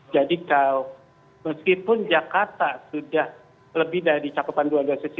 jadi meskipun jakarta sudah lebih dari cakupan dua dosisnya